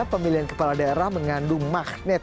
pemilihan kepala daerah mengandung magnet